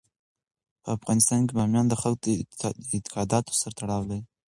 په افغانستان کې بامیان د خلکو د اعتقاداتو سره تړاو لري.